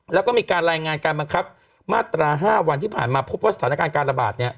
แล้วก็มีการรายงานการบังคับมาตรา๕วันที่ผ่านมาพบว่าสถานการณ์การระบาดเนี่ย